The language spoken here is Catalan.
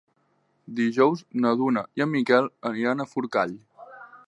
Dijous na Duna i en Miquel aniran a Forcall.